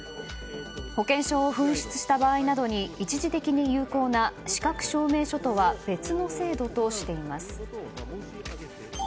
保険証を紛失した場合などに一時的に有効な資格証明書とは別の制度としています。